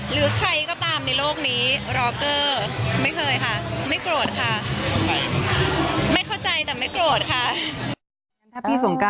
หรือใครก็ตามในโลกนี้รอเกอร์ไม่เคยค่ะไม่โกรธค่ะ